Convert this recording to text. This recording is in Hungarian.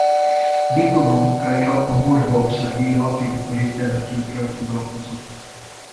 Diplomamunkája a morvaországi latén kori temetőkkel foglalkozott.